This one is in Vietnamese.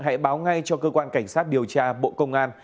hãy báo ngay cho cơ quan cảnh sát điều tra bộ công an